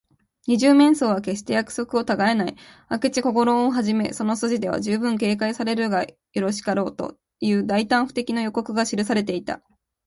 二十面相は、けっして約束をたがえない。明智小五郎君をはじめ、その筋では、じゅうぶん警戒されるがよろしかろう、という大胆不敵の予告が記されていた。